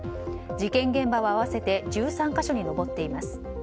事件現場は合わせて１３か所に上っています。